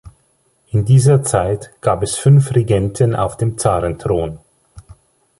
In dieser Zeit gab es fünf Regenten auf dem Zarenthron.